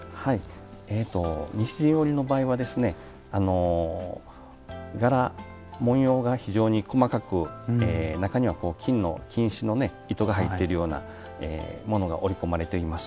西陣織の場合は柄、文様が非常に細かく中には金糸の糸が入っているようなものが織り込まれています。